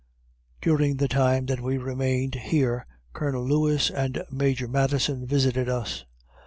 During the time that we remained here Colonel Lewis and Major Madison visited us.